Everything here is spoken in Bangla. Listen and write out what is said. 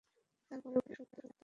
তারপরও প্রেমে পড়া সত্য, তাই না?